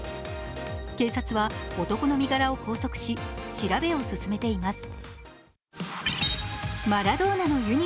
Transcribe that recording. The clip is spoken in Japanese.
警察は、男の身柄を拘束し調べを進めています。